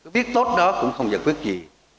viết tốt đó cũng không giải quyết gì